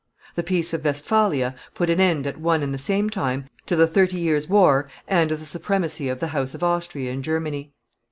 The peace of Westphalia put an end at one and the same time to the Thirty Years' War and to the supremacy of the house of Austria in Germany.